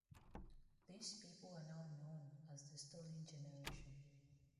These people are now known as the Stolen Generation.